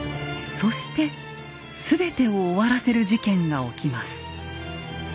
そして全てを終わらせる事件が起きます。